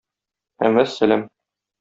Һәм вәссәлам!